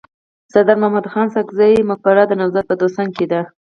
د سرداد مددخان ساکزي مقبره د نوزاد په دوسنګ کي ده.